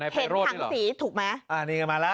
เฒตทั้งสีถูกมั้ย